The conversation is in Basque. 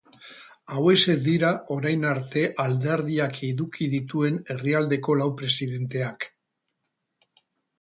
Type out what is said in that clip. Hauexek dira orain arte alderdiak eduki dituen herrialdeko lau presidenteak.